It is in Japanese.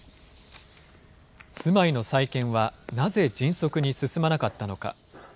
住まいの再建はなぜ迅速に進まなかったのか。